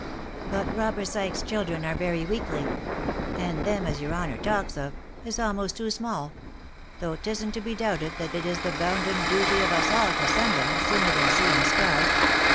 " But Robert Sykes's children are very weakly ; and them as your honour talks of, is almost too small — though 'tisn't to be doubted that it is the bounden duty of us all to send 'em, sooner than see 'em starve.